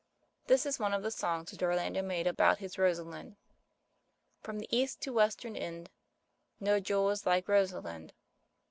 This is one of the songs which Orlando made about his Rosa lind— From the east to western Ind, No jewel is like Rosalind.